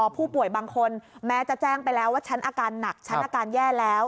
ผู้ป่วยบางคนแม้จะแจ้งไปแล้วว่าฉันอาการหนักฉันอาการแย่แล้ว